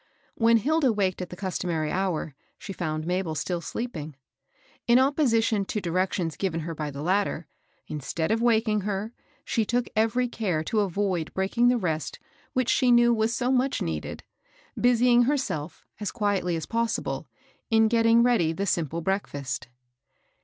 When Hilda waked at the customary hour, she (288) 289 found Mabel still sleeping. In opposition to direo tions given her by the latter, instead of waking her, she took every care to avoid breaking the rest which she knew was so much needed, busying her self, as quietly as possible, in getting ready the sim ple breakfast.